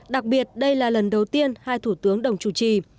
đặc biệt đây là lần đầu tiên hai thủ tướng đồng chủ trì